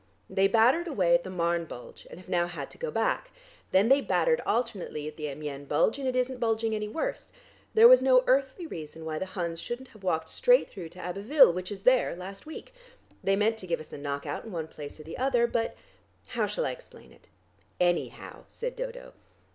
They battered away at the Marne bulge, and have now had to go back. Then they battered alternately at the Amiens bulge, and it isn't bulging any worse. There was no earthly reason why the Huns shouldn't have walked straight through to Abbeville, which is there, last week. They meant to give us a knock out in one place or the other. But how shall I explain it?" "Anyhow," said Dodo.